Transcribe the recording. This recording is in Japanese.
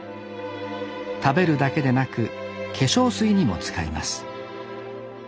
食べるだけでなく化粧水にも使います。